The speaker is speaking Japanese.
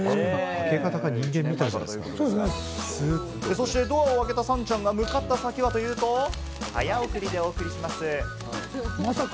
そしてドアを開けた、さんちゃんが向かった先はというと、早送りでお送りします。